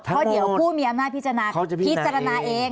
เท่าเดียวผู้มีอำนาจพิจารณาพิจารณาเองเขาจะพิจารณาเอง